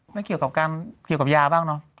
ไม่เกี่ยวกับเกี่ยวกับยาบ้างเนอะ